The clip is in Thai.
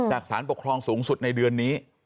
สารปกครองสูงสุดในเดือนนี้